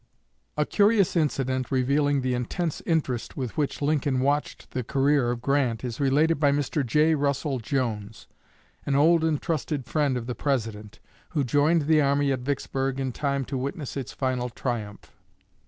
A curious incident revealing the intense interest with which Lincoln watched the career of Grant is related by Mr. J. Russell Jones, an old and trusted friend of the President, who joined the army at Vicksburg in time to witness its final triumph.